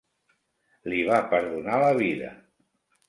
Li va perdonar la vida.